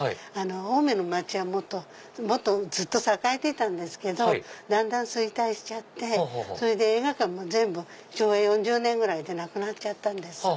青梅の町はもっとずっと栄えてたんですけどだんだん衰退しちゃって映画館も昭和４０年ぐらいでなくなっちゃったんです。